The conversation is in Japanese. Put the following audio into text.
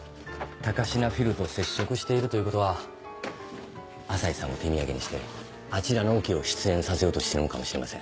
高階フィルと接触しているということは朝陽さんを手土産にしてあちらのオケを出演させようとしてるのかもしれません。